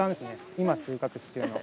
今収穫しているのは。